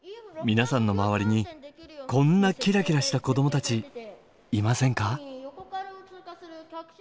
皆さんの周りにこんなキラキラした子どもたちいませんか？